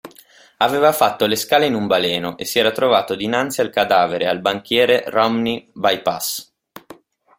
Aveva fatto le scale in un baleno e si era trovato dinanzi al cadavere e al banchiere Romney Bypass.